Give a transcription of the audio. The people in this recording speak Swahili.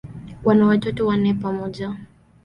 Wana watoto wanne pamoja.